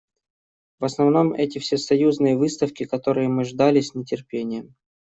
В основном, эти Всесоюзные выставки, которые мы ждали с нетерпением.